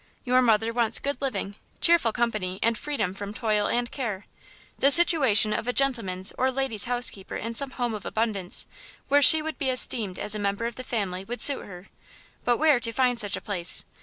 Your mother wants good living, cheerful company and freedom from toil and care. The situation of gentleman's or lady's housekeeper in some home of abundance, where she would be esteemed as a member of the family, would suit her. But where to find such a place?